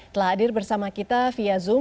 telah hadir bersama kita via zoom